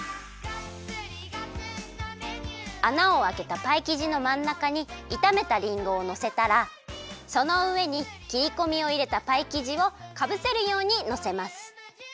あなをあけたパイきじのまんなかにいためたりんごをのせたらそのうえにきりこみをいれたパイきじをかぶせるようにのせます。